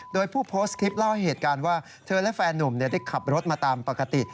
โดยผู้โพสต์คลิปเล่าเหตุการณ์ว่าเธอและแฟนนุ่มได้ขับรถมาตามปกติ